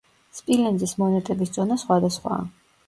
სპილენძის მონეტების წონა სხვადასხვაა.